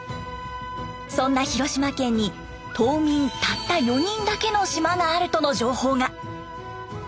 そんな広島県に島民たった４人だけの島があるとの情報が。